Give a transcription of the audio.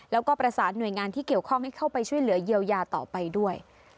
แล้วก็ประสานหน่วยงานที่เกี่ยวข้องให้เข้าไปช่วยเหลือเยียวยาต่อไปด้วย